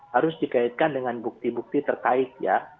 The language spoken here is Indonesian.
harus dikaitkan dengan bukti bukti terkait ya